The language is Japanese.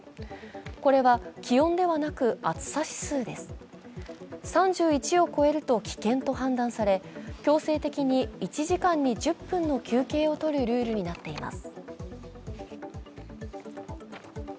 これは気温ではなく、暑さ指数です３１を超えると危険と判断され、強制的に１時間に１０分の休憩を取るルールになっています。